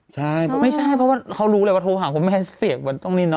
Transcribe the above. ใช่ไม่ใช่เพราะว่าเขารู้เลยว่าโทรหาคุณแม่เสียงเหมือนตรงนี้เนอ